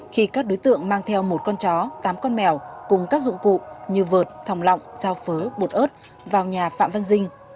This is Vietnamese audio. khi các đối tượng mang theo một con chó tám con mèo cùng các dụng cụ như vợt thòng lọng giao phớ bột ớt vào nhà phạm văn dinh